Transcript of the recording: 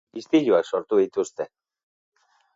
Istiluak sortu dituzte.